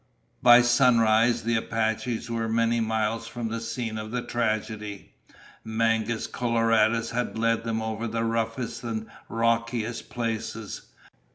By sunrise the Apaches were many miles from the scene of tragedy. Mangus Coloradus had led them over the roughest and rockiest places.